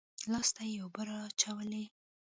لاس ته يې اوبه رااچولې.